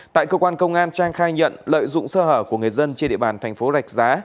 tại cơ quan công an trang khai nhận lợi dụng sơ hở của người dân trên địa bàn thành phố rạch giá